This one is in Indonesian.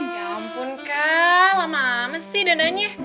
ya ampun kaa lama ames sih dana nya